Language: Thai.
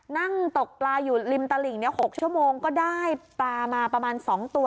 นั่งตกปลาอยู่ริมตลิ่ง๖ชั่วโมงก็ได้ปลามาประมาณ๒ตัว